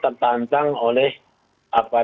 tentangannya yang menentukan kejayaan era gus dur ini